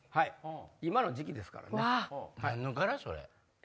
今の時期ですからね。何の柄？